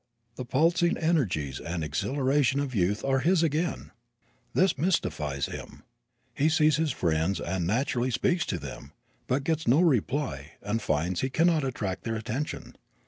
The pulsing energies and exhilaration of youth are his again! This mystifies him. He sees his friends and naturally speaks to them, but gets no reply and finds that he can not attract their attention.